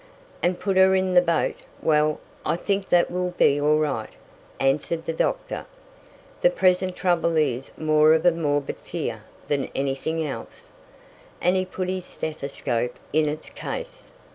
"And put her in the boat well, I think that will be all right," answered the doctor. "The present trouble is more of a morbid fear than anything else," and he put his stethoscope in its case.